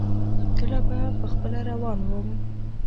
کله به خپله روان ووم.